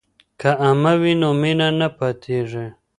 که عمه وي نو مینه نه پاتیږي.